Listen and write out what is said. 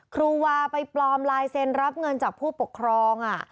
ครูวาไปปลอมลายเซ็นรับเงินจากผู้ปกครอง